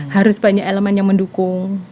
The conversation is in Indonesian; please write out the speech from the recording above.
harus banyak elemen yang mendukung